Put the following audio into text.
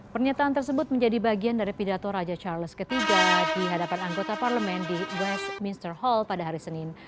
pernyataan tersebut menjadi bagian dari pidato raja charles iii di hadapan anggota parlemen di westminster hall pada hari senin